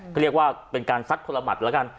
เขาเรียกว่าเป็นการซัดคนละหมัดแล้วกัน